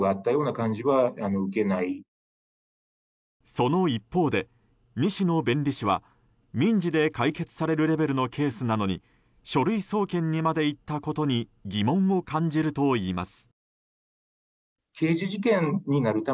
その一方で、西野弁理士は民事で解決されるレベルのケースなのに書類送検にまで行ったことに疑問を感じるといいます。